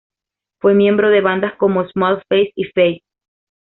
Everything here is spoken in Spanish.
Fue miembro de bandas como Small Faces y Faces.